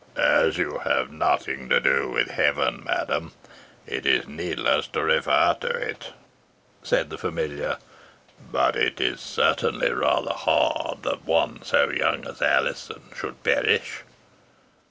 "As you have nothing to do with heaven, madam, it is needless to refer to it," said the familiar. "But it certainly is rather hard that one so young as Alizon should perish."